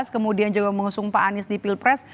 kemudian juga mengusung pak anies di pilpres